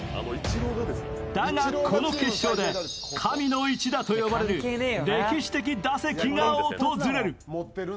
だが、この決勝で神の一打と呼ばれる歴史的打席が訪れる。